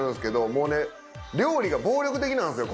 もうね料理が暴力的なんですよ